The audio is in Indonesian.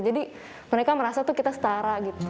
jadi mereka merasa tuh kita setara gitu